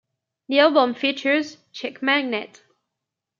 The album features "Chick Magnet".